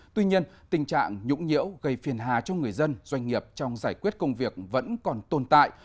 tuy nhiên tình trạng nhũng nhiễu gây phiền hà cho người dân doanh nghiệp trong giải quyết công việc vẫn còn tồn tại